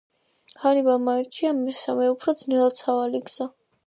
ჰანიბალმა აირჩია მესამე, უფრო ძნელად სავალი გზა.